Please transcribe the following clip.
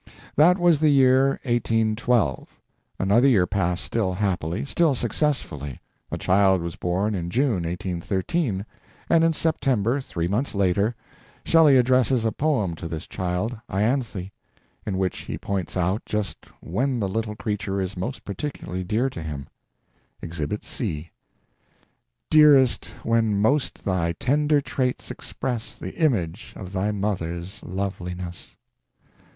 That was the year 1812. Another year passed still happily, still successfully a child was born in June, 1813, and in September, three months later, Shelley addresses a poem to this child, Ianthe, in which he points out just when the little creature is most particularly dear to him: Exhibit C "Dearest when most thy tender traits express The image of thy mother's loveliness."